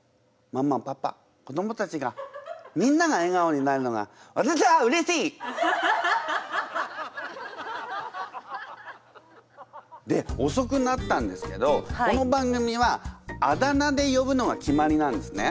ママパパ子どもたちがみんながえがおになるのがわたしはうれしい！でおそくなったんですけどこの番組はあだ名で呼ぶのが決まりなんですね。